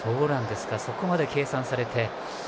そこまで計算されて。